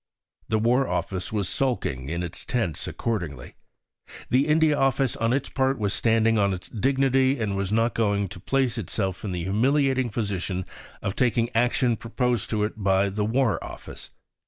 The War Office was sulking in its tents accordingly. The India Office, on its part, was standing on its dignity, and was not going to place itself in the humiliating position of taking action proposed to it by the War Office.